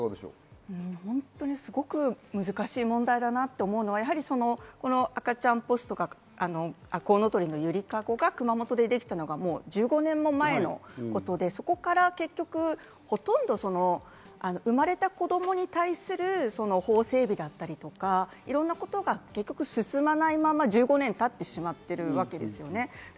すごく難しい問題だなと思うのは、赤ちゃんポストが、「こうのとりのゆりかご」が熊本でできたのが１５年も前のことで、そこから結局、ほとんど生まれた子供に対する法整備だったり、いろんな事が進まないまま１５年経ってしまっているわけですよね。